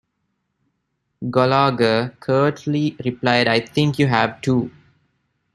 Gallagher curtly replied I think you have too.